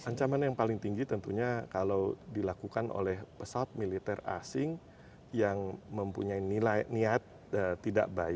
ancaman yang paling tinggi tentunya kalau dilakukan oleh pesawat militer asing yang mempunyai niat tidak baik